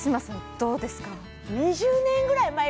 どうですか？